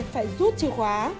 phải rút chìa khóa